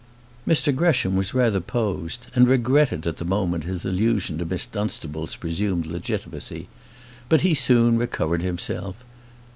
Mr Gresham was rather posed, and regretted, at the moment, his allusion to Miss Dunstable's presumed legitimacy. But he soon recovered himself.